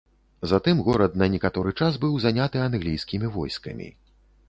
Затым горад на некаторы час быў заняты англійскімі войскамі.